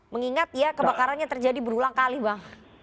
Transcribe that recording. mengingat ya kebakarannya terjadi berulang kali bang